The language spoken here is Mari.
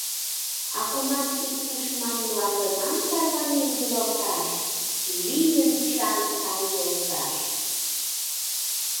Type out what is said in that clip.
А кунам Сут тушман Мландынам Тарванен Йӱлалташ, Лийын Чаҥ Сай йолташ.